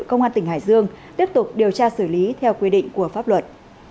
công an tỉnh hải dương tiếp tục điều tra xử lý theo quy định của pháp luật